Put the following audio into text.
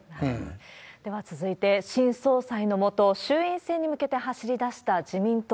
では続いて、新総裁の下、衆院選に向けて走りだした自民党。